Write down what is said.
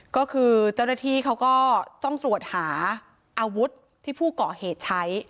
ก็คือเจ้าหน้าที่เขาก็ต้องตรวจหาอาวุธที่ผู้ก่อเหตุใช้